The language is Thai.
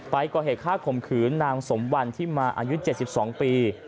ก่อเหตุฆ่าข่มขืนนางสมวันที่มาอายุ๗๒ปี